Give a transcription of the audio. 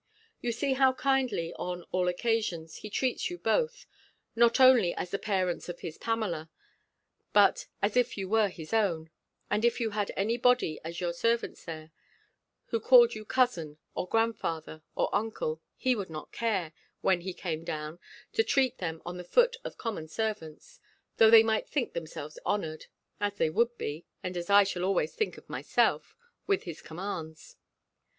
You see how kindly, on all occasions, he treats you both, not only as the parents of his Pamela, but as if you were his own; and if you had any body as your servants there, who called you cousin, or grandfather, or uncle, he would not care, when he came down, to treat them on the foot of common servants, though they might think themselves honoured (as they would be, and as I shall always think myself) with his commands.